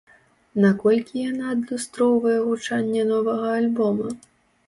Наколькі яна адлюстроўвае гучанне новага альбома?